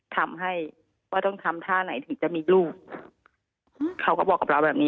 ทำให้ว่าต้องทำท่าไหนถึงจะมีลูกเขาก็บอกกับเราแบบนี้